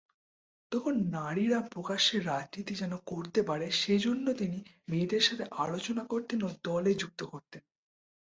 তখন নারীরা প্রকাশ্যে রাজনীতি যেন করতে পারে সেজন্য তিনি মেয়েদের সাথে আলোচনা করতেন ও দলে যুক্ত করতেন।